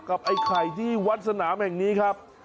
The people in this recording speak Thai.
ไอ้ไข่ที่วัดสนามแห่งนี้ครับ